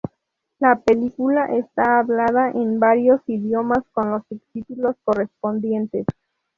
La película está hablada en varios idiomas, con los subtítulos correspondientes.